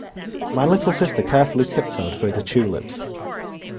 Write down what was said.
My little sister carefully tiptoed through the tulips.